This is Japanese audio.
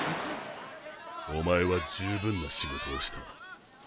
おまえは十分な仕事をした。